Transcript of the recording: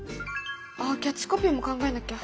あっキャッチコピーも考えなきゃ。